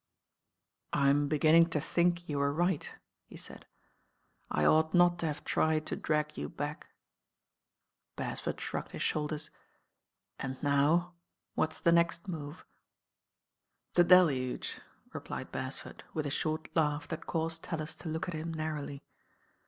I m beginning to think you were right," he said. I ought not to have tried to drag you back." Beresford shrugged his shoulders. "And now, what's the next move?" "The deluge," replied Beresford with a short laugh that caused Tallis to look at him narrowly.